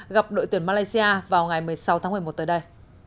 gặp đội tuyển malaysia vào ngày một mươi sáu tháng một mươi một tới đây